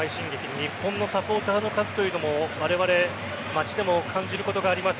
日本のサポーターの数というのもわれわれ街でも感じることがあります。